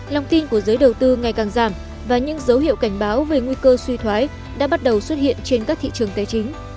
lòng tin của giới đầu tư ngày càng giảm và những dấu hiệu cảnh báo về nguy cơ suy thoái đã bắt đầu xuất hiện trên các thị trường tài chính